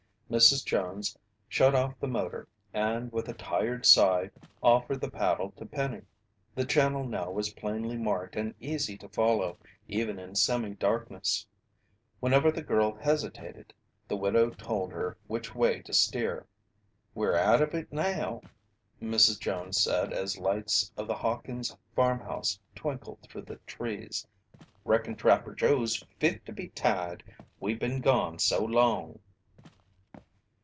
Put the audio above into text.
Mrs. Jones shut off the motor and with a tired sigh, offered the paddle to Penny. The channel now was plainly marked and easy to follow, even in semi darkness. Whenever the girl hesitated, the widow told her which way to steer. "We're out of it now," Mrs. Jones said as lights of the Hawkins' farmhouse twinkled through the trees. "Reckon Trapper Joe's fit to be tied, we been gone so long!"